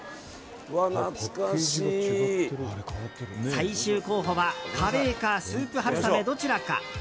最終候補はカレーかスープはるさめ、どちらか。